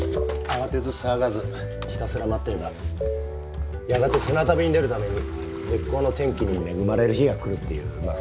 慌てず騒がずひたすら待ってればやがて船旅に出るために絶好の天気に恵まれる日が来るっていうまあ